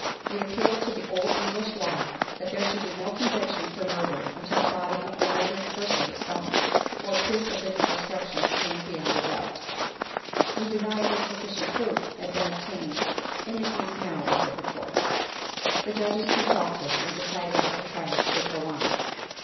We appealed to the old English law, that there should be no conviction for murder until the body of the murdered person was found, or proof of its destruction obtained beyond a doubt. We denied that sufficient proof had been obtained in the case now before the court. The judges consulted, and decided that the trial should go on.